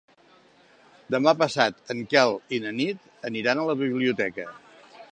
Demà passat en Quel i na Nit aniran a la biblioteca.